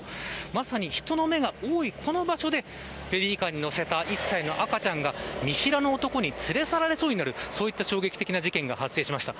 まさに人の目が多いこの場所でベビーカーに乗せた１歳の赤ちゃんが見知らぬ男に連れ去られそうになる衝撃的な事件が発生しました。